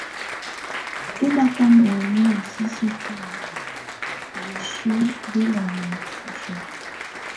Tú ndù akana ù nuiyi sisiǝ́ tɛ̀á ù wǝsuǝ́ bɛlaŋa ù ɔsɔa.